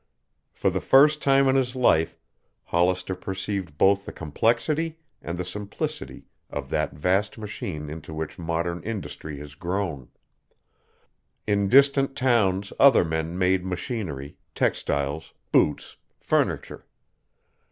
For the first time in his life Hollister perceived both the complexity and the simplicity of that vast machine into which modern industry has grown. In distant towns other men made machinery, textiles, boots, furniture.